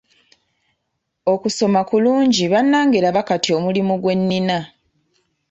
Okusoma kulungi bannange laba kati omulimu gwe nnina.